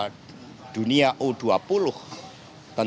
dan kemudian kemudian kemudian kemudian kemudian kemudian kemudian